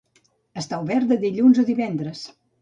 Està obert de dilluns a divendres.